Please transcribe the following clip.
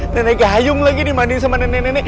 nenek kayung lagi dimandiin sama nenek nenek